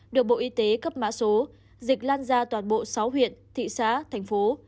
được bộ y tế cấp mã số dịch lan ra toàn bộ sáu huyện thị xã thành phố